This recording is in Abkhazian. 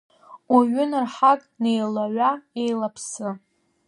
Уаҩы нарҳак, деилаҩа-еилаԥсы…